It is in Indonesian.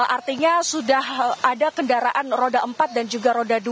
artinya sudah ada kendaraan roda empat dan juga roda dua